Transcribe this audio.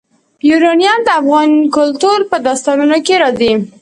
یورانیم د افغان کلتور په داستانونو کې راځي.